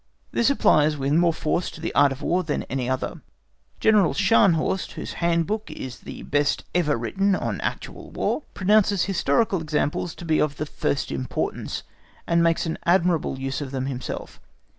This applies with more force to the Art of War than to any other. General Scharnhorst, whose handbook is the best ever written on actual War, pronounces historical examples to be of the first importance, and makes an admirable use of them himself.